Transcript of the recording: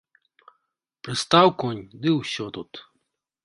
Прыстаў конь, ды ўсё тут.